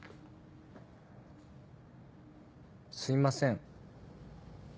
すいません。